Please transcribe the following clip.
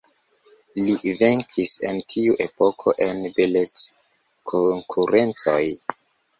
Li venkis en tiu epoko en beleckonkurencoj.